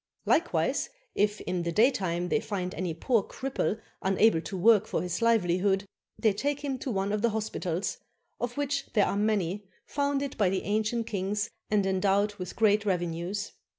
Likewise if in the daytime they find any poor cripple unable to work for his livelihood, they take him to one of the hospitals, of which there are many, founded by the ancient kings and endowed with great revenues.